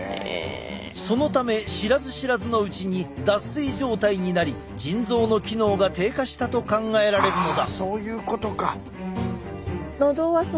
そのため知らず知らずのうちに脱水状態になり腎臓の機能が低下したと考えられるのだ。